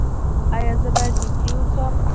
ایا زه باید نږدې اوسم؟